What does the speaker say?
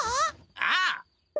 ああ！